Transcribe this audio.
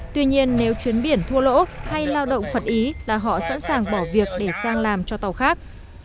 tuy nhiên nếu chuyến biển thua lỗ hay lao động phật ý là họ sẵn sàng bỏ việc để sang làm cho tàu khác